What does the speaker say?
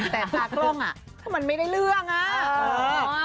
แต่ตากล้องอ่ะมันไม่ได้เรื่องอ่ะ